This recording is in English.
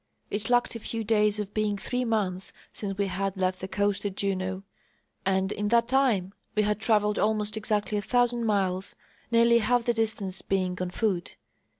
It lacked a few days of being three months since we had left the coast at Juneau, and in that time we had travelled almost exactly a thousand miles, nearly half the distance being on foot.